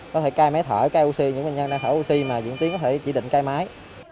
có thể cai máy thở cai oc những bệnh nhân đang thở oxy mà diễn tiến có thể chỉ định cai máy